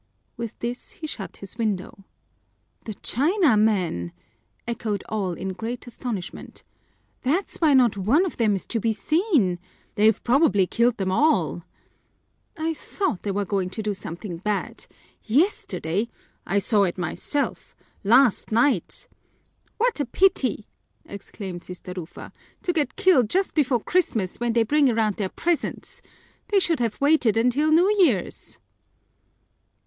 With this he shut his window. "The Chinamen!" echoed all in great astonishment. "That's why not one of them is to be seen!" "They've probably killed them all!" "I thought they were going to do something bad. Yesterday " "I saw it myself. Last night " "What a pity!" exclaimed Sister Rufa. "To get killed just before Christmas when they bring around their presents! They should have waited until New Year's."